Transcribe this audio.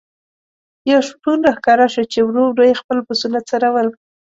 یو شپون را ښکاره شو چې ورو ورو یې خپل پسونه څرول.